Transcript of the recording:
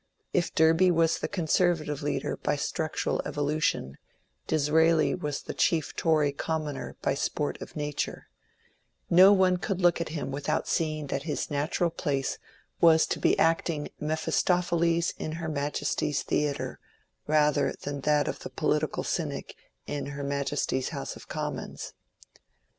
If Derby was the Conservative leader by structural evolution, Disraeli was the chief Tory commoner by a sport of nature ; no one could look at him without seeing that his natural place was to be acting Mephistopheles in Her Majesty's Theatre rather than that of the political cynic in Her Majesty's House of Commons.